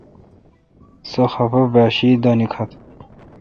سو خفہ با شی دا نکھت۔